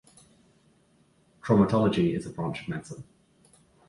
Traumatology is a branch of medicine.